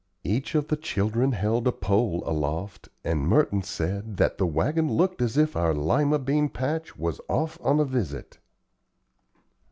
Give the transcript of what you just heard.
Each of the children held a pole aloft, and Merton said that "the wagon looked as if our Lima bean patch was off on a visit."